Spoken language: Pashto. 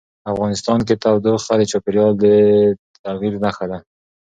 افغانستان کې تودوخه د چاپېریال د تغیر نښه ده.